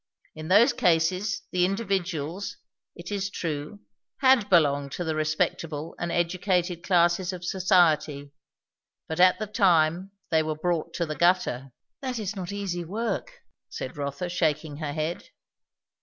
In those cases the individuals, it is true, had belonged to the respectable and educated classes of society; but at the time they were brought to the gutter." "That is not easy work!" said Rotha shaking her head.